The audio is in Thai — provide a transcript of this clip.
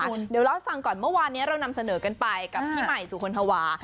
เราลองฟังก่อนที่เมื่อวานตอนนี้นำเสนอกันไปกับพี่ไหมสูงคนธวา